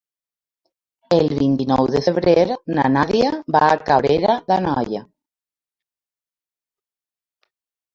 El vint-i-nou de febrer na Nàdia va a Cabrera d'Anoia.